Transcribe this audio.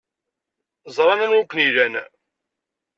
Ẓran anwa ay ken-ilan.